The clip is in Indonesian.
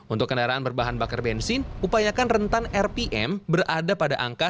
untuk kendaraan berbahan bakar bensin upayakan rentan rpm berada pada angka seribu delapan ratus